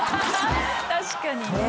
確かにね。